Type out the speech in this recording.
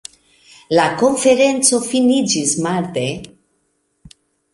La konferenco finiĝis marde.